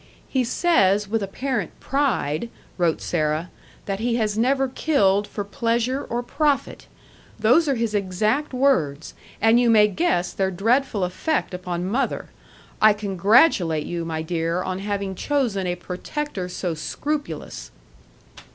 "He says with apparent pride," wrote Sarah, "that he has never killed for pleasure or profit.' Those are his exact words, and you may guess their dreadful effect upon mother. I congratulate you, my dear, on having chosen a protector so scrupulous."